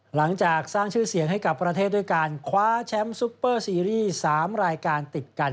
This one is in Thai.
หลังจากสร้างชื่อเสียงให้กับประเทศด้วยการคว้าแชมป์ซุปเปอร์ซีรีส์๓รายการติดกัน